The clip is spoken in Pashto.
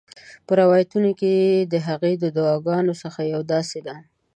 په روایتونو کې د هغې د دعاګانو څخه یوه داسي ده: